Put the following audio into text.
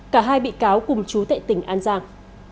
cả hai bị cáo cùng chú tệ tỉnh an giang